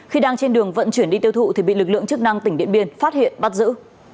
khi đang trên đường vận chuyển đi tiêu thụ thì bị lực lượng chức năng tỉnh điện biên phát hiện bắt giữ